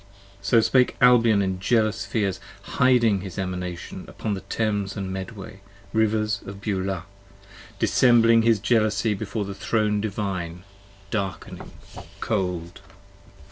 So spake Albion in jealous fears, hiding his Emanation Upon the Thames and Medway, rivers of Beulah: dissembling 34 His jealousy before the throne divine, darkening, cold!